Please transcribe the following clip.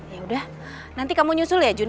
ya udah nanti kamu nyusul ya